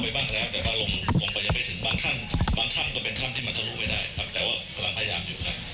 บางท่านบางท่านก็เป็นท่านที่มันทะลุไม่ได้ครับแต่ว่าพยายามอยู่ครับ